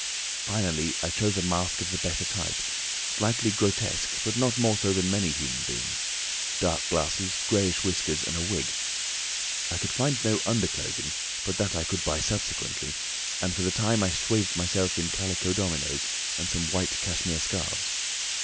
Finally I chose a mask of the better type, slightly grotesque but not more so than many human beings, dark glasses, greyish whiskers, and a wig. I could find no underclothing, but that I could buy subsequently, and for the time I swathed myself in calico dominoes and some white cashmere scarfs.